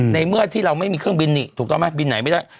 ในเมื่อที่เราไม่มีเครื่องบินนี่ถูกต้องไหมบินไหนไม่ได้